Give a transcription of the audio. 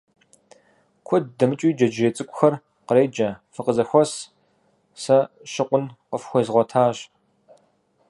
Куэд дэмыкӀыуи джэджьей цӀыкӀухэр къреджэ: фыкъызэхуэс, сэ щыкъун къыфхуэзгъуэтащ!